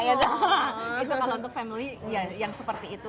itu kalau untuk family yang seperti itu